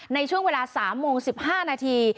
ในช่วงเวลา๓โมง๑๕นาที